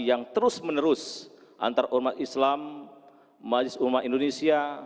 yang terus menerus antar umat islam majelis ulama indonesia